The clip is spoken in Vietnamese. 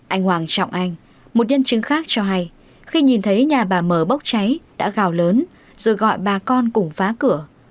anh hoàng trọng anh một nhân chứng khác cho hay khi nhìn thấy nhà bà mờ bốc cháy đã gào lớn rồi gọi bà con cùng phá cửa